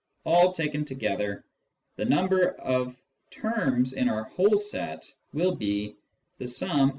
all taken together, the number of terms in our whole set will be «+2"+2 2